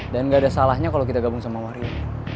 dan gak ada salahnya kalo kita gabung sama wario